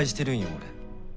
俺。